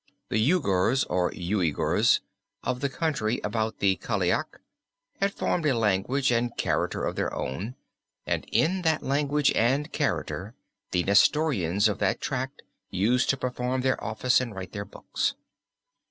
The Yugurs (or Uigurs) of the country about the Cailac had formed a language and character of their own, and in that language and character the Nestorians of that tract used to perform their office and write their books.